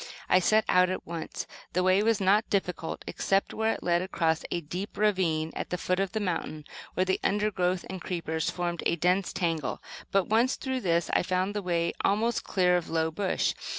I set out at once. The way was not difficult except where it led across a deep ravine at the foot of the mountain, where the undergrowth and creepers formed a dense tangle; but once through this, I found the way almost clear of low bush.